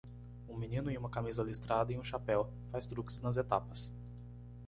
Um menino em uma camisa listrada e um chapéu faz truques nas etapas.